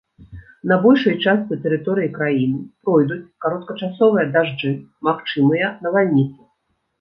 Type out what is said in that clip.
На большай частцы тэрыторыі краіны пройдуць кароткачасовыя дажджы, магчымыя навальніцы.